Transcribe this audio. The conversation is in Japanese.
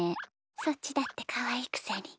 そっちだってかわいいくせに。